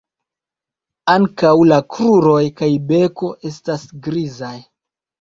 Ankaŭ la kruroj kaj beko estas grizaj.